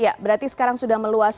ya berarti sekarang sudah meluas